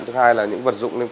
thứ hai là những vật dụng